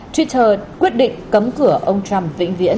twitter quyết định cấm cửa ông trump vĩnh viễn